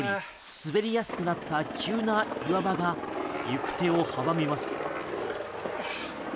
滑りやすくなった急な岩場が行く手を阻みます。